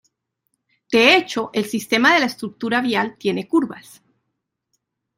De hecho el sistema de la estructura vial tiene curvas.